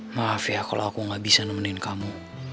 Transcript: maaf ya kalau aku gak bisa nemenin kamu